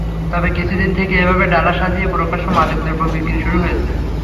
তবে কিছুদিন থেকে এভাবে ডালা সাজিয়ে প্রকাশ্যে মাদকদ্রব্য বিক্রি শুরু হয়েছে।